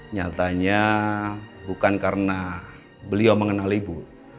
nyatanya bukan karena beliau mengenal ibu